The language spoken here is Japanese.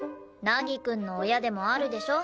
凪くんの親でもあるでしょ。